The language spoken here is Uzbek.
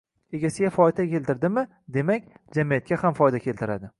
Egasiga foyda keltirdimi, demak... jamiyatga ham foyda keltiradi.